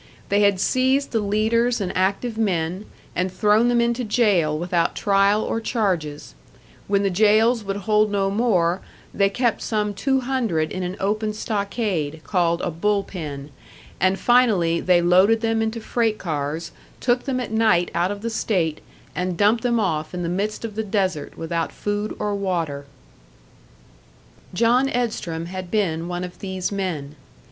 They had seized the leaders and active men, and thrown them into jail without trial or charges; when the jails would hold no more, they kept some two hundred in an open stockade, called a "bull pen," and finally they loaded them into freight cars, took them at night out of the state, and dumped them off in the midst of the desert without food or water. John Edstrom had been one of these men.